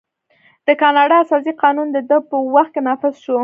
د کاناډا اساسي قانون د ده په وخت کې نافذ شو.